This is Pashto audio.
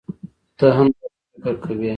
تۀ هم داسې فکر کوې؟